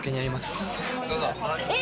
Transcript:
どうぞ。